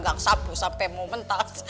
gang sapu sampai mau mentas